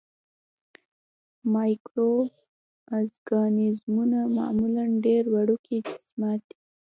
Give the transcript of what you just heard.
مایکرو ارګانیزمونه معمولاً ډېر وړوکی جسامت لري.